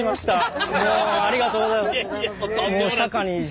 ありがとうございます。